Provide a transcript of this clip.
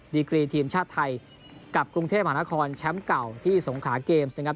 ดีกรีทีมชาติไทยกับกรุงเทพมหานครแชมป์เก่าที่สงขาเกมส์นะครับ